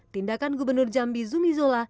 tindakan gubernur jambi zumizola